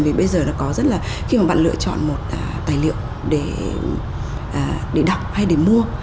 vì bây giờ nó có rất là khi mà bạn lựa chọn một tài liệu để đọc hay để mua